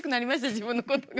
自分のことが。